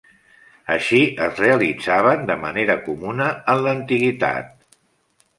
Així es realitzaven de manera comuna en l'antiguitat.